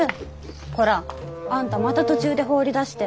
こら。あんたまた途中で放り出して。